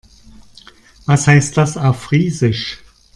Was heißt das auf Friesisch?